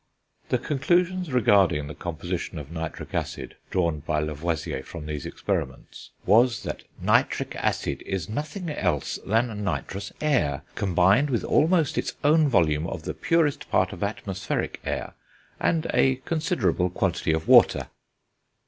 The conclusions regarding the composition of nitric acid drawn by Lavoisier from these experiments was, that "nitric acid is nothing else than nitrous air, combined with almost its own volume of the purest part of atmospheric air, and a considerable quantity of water."